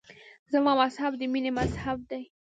زما مذهب د مینې مذهب دی.